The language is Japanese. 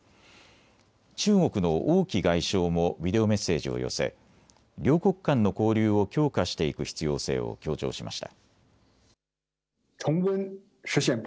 中国の王毅外相もビデオメッセージを寄せ両国間の交流を強化していく必要性を強調しました。